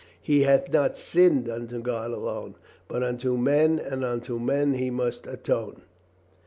He hath not sinned unto God alone, but unto men and unto men he must atone.